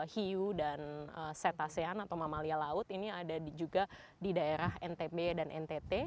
hiu dan cetacean atau mamalia laut ini ada juga di daerah ntb dan ntt